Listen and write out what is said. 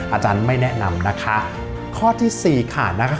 อาจารย์ไม่แนะนำนะคะข้อที่สี่ขาดนะคะ